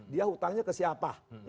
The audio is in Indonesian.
dia hutangnya ke siapa